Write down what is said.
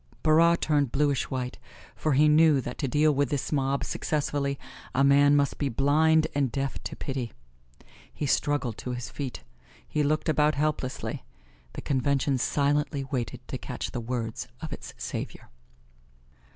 Barras turned bluish white, for he knew that to deal with this mob successfully a man must be blind and deaf to pity. He struggled to his feet he looked about helplessly the Convention silently waited to catch the words of its savior.